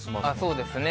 そうですね。